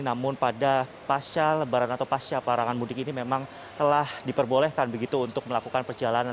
namun pada pasca lebaran atau pasca pelarangan mudik ini memang telah diperbolehkan begitu untuk melakukan perjalanan